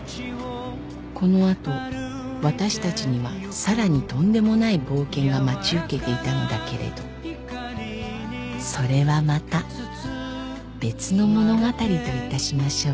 ［この後私たちにはさらにとんでもない冒険が待ち受けていたのだけれどそれはまた別の物語といたしましょう］